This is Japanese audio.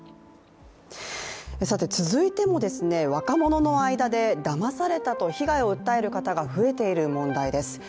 続いても、若者の間でだまされたと被害を訴える方が増えている問題です。